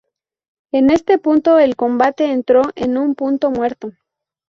En este punto el combate entró en un punto muerto.